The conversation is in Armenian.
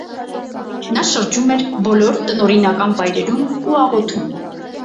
Նա շրջում էր բոլոր տնօրինական վայրերում ու աղոթում։